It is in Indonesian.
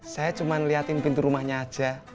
saya cuman liatin pintu rumahnya aja